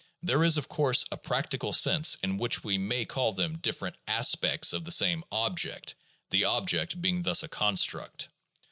There is of course a practical sense in which we may call them different "aspects" of the same "object," the "object" being thus a construct.